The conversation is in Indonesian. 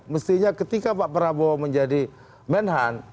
mestinya ketika pak prabowo menjadi menhan